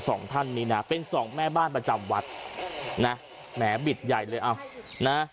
สองท่านนี้นะเป็นสองแม่บ้านประจำวัดนะแหมบิดใหญ่เลยเอานะ